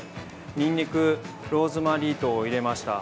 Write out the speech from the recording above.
ニンニク、ローズマリー等を入れました。